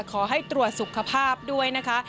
ขอให้ตรวจสุขภาพด้วยนะคะ